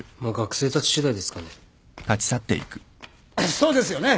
そうですよね。